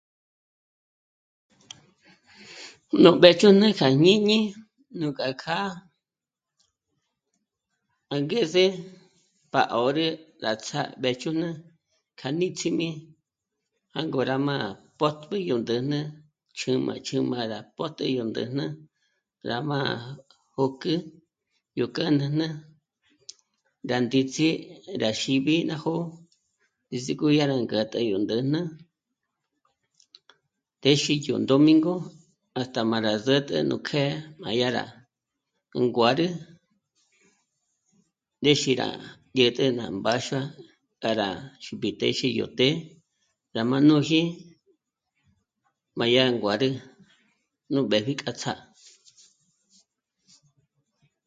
Nù mbéchǘjn'ü kja jñíñi nuk'a kjâ'a ángeze pá 'ǒrü rá tsjâ'a mbéchǘjn'ü k'a níts'imi jângo rá má pö̌'tb'i yó ndä̂jnä chū́m'ā chū́m'ā rá pö́'tü yó ndä̂jnä, rá má jó'kü yó k'a nàjna gá ndíts'i rá xíb'i ná jo'o ndízík'o dyà rá ngā̀tā yó ndä̂jnä. Téxi yó domingo 'ä̀jt'ä má rá sǜtü nú kjë́'ë má dyà rá nguǎrü, ndéxi rá dyä̀t'ä ná mbáxua k'a rá xípji téxi yó të́'ë rá má nóji má dyà nguǎrü nù b'ë̀pji k'a tsjâ'a